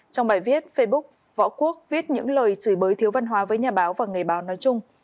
trong bài viết facebook võ quốc viết những lời chửi bới thiếu văn hóa với nhà báo và nghề báo nói chung